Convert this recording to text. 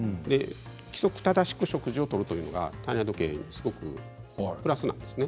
規則正しく食事をとるというのは体内時計にはすごくプラスなんですね。